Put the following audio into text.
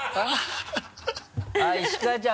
石川ちゃん